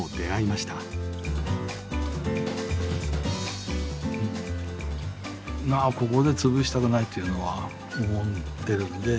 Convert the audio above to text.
まあここで潰したくないっていうのは思っているんで。